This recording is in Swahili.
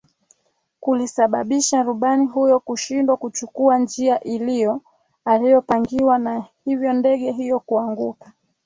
kulisabisha rubani huyo kushindwa kuchukua njia ilio aliopangiwa na hivyo ndege hiyo kuanguka